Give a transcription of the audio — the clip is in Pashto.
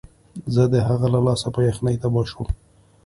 زه د هغه له لاسه په یخنۍ تباه شوم